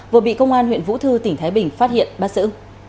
vừa bị công an huyện vũ thư tỉnh thái bình phát hiện bắt giữ